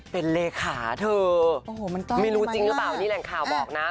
เป็นเลขาเธอไม่รู้จริงหรือเปล่านี่แหล่งข่าวบอกนะ